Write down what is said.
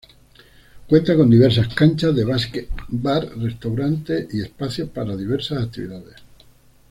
Cuenta con diversas canchas de básquet, bar- restaurante, y espacios para diversas actividades.